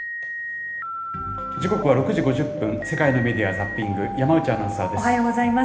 時刻は６時５０分、世界のメディア・ザッピング、山内アナウおはようございます。